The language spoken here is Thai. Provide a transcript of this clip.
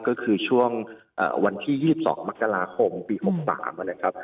ก็คือช่วงวันที่๒๒มกราคมปี๖๓นะครับ